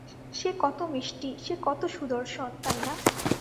সে কতো মিষ্টি, সে কতো সুদর্শন, তাই না!